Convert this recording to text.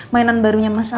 mainan barunya masa